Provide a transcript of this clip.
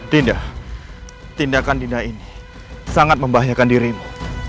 tidak tindakan dinda ini sangat membahayakan dirimu